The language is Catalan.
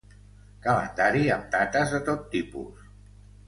Calendari amb dates de tot tipus.